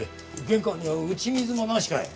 玄関には打ち水もなしかい。